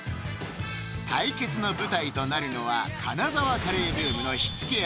対決の舞台となるのは金沢カレーブームの火付け役